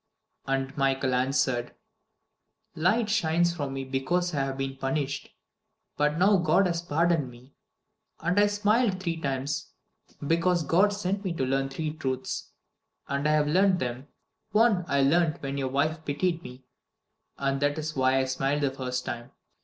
And Michael answered: "Light shines from me because I have been punished, but now God has pardoned me. And I smiled three times, because God sent me to learn three truths, and I have learnt them. One I learnt when your wife pitied me, and that is why I smiled the first time.